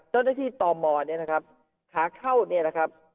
เจ้าหน้าที่ตมเนี่ยนะครับขาเข้าเนี่ยนะครับ